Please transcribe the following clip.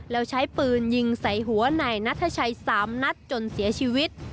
แล้วใช้ปืนยิงใส่หัวนายนัทชัย๓นัดจนเสียชีวิต